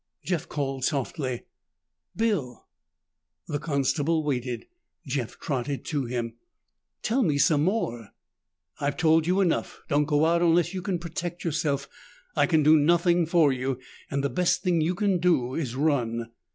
Jeff called softly, "Bill." The constable waited. Jeff trotted to him. "Tell me some more." "I've told you enough. Don't go out unless you can protect yourself. I can do nothing for you, and the best thing you can do is run."